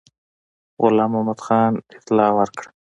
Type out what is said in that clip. غلام محمدخان اطلاع ورکړه.